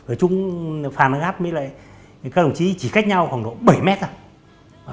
ở chung phản án gác với lại các đồng chí chỉ cách nhau khoảng độ bảy mét thôi